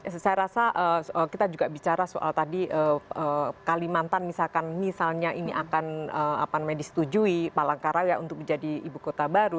saya rasa kita juga bicara soal tadi kalimantan misalkan misalnya ini akan disetujui palangkaraya untuk menjadi ibu kota baru